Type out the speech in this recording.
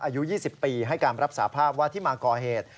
อายุ๒๐ปีให้การรับสาภาพว่าที่มาก่อเหตุ